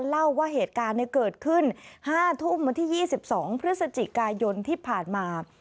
เล่าว่าเหตุการณ์เกิดขึ้น๕ทุ่มวันที่๒๒พฤศจิกายนที่ผ่านมา